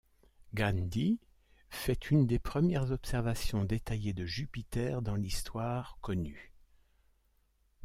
Gan De fait une des premières observations détaillées de Jupiter dans l'histoire connue.